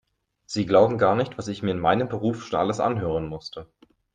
Sie glauben gar nicht, was ich mir in meinem Beruf schon alles anhören musste.